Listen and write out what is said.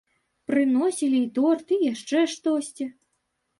Прыносілі і торт, і яшчэ штосьці.